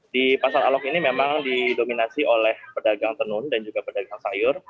di pasar alok ini memang didominasi oleh pedagang tenun dan juga pedagang sayur